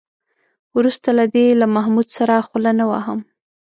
وروسته له دې له محمود سره خوله نه وهم.